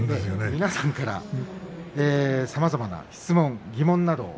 皆さんからさまざまな質問、疑問などを。